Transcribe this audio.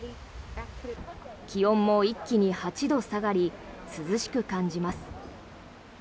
気温も一気に８度下がり涼しく感じます。